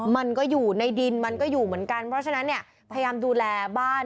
มันก็อยู่ในดินมันก็อยู่เหมือนกันเพราะฉะนั้นเนี่ยพยายามดูแลบ้าน